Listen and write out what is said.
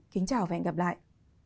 kính chào và hẹn gặp lại